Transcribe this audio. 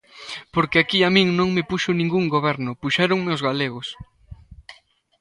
Porque aquí a min non me puxo ningún goberno, puxéronme os galegos.